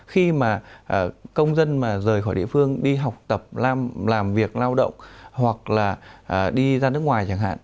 khi mà công dân mà rời khỏi địa phương đi học tập làm việc lao động hoặc là đi ra nước ngoài chẳng hạn